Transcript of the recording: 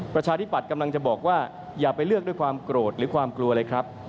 ประชาธิปัตย์กำลังจะบอกว่าอย่าไปเลือกด้วยความโกรธหรือความกลัวเลยครับ